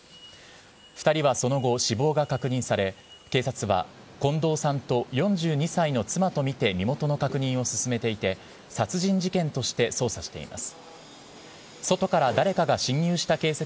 ２人はその後、死亡が確認され、警察は近藤さんと４２歳の妻と見て、身元の確認を進めていて、殺人事件として捜査しています。